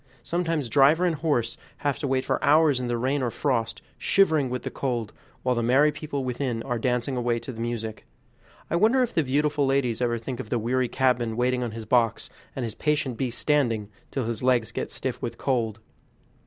Sometimes driver and horse have to wait for hours in the rain or frost, shivering with the cold, while the merry people within are dancing away to the music. I wonder if the beautiful ladies ever think of the weary cabman waiting on his box, and his patient beast standing, till his legs get stiff with cold.